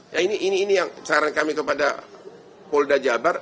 ya ini yang saran kami kepada polda jabar